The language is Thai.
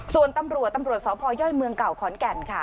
ส่วนตำรวจตำรวจสพย่อยเมืองเก่าขอนแก่นค่ะ